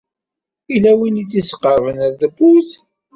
Yella win i d-isqeṛben ar tewwurt.